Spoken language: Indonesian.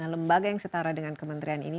lembaga yang setara dengan kementerian ini